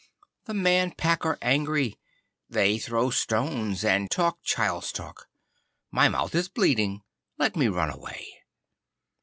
The Man Pack are angry. They throw stones and talk child's talk. My mouth is bleeding. Let me run away.